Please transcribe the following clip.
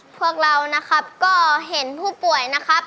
พวกเรานะครับก็เห็นผู้ป่วยนะครับ